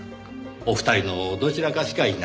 お二人のどちらかしかいない。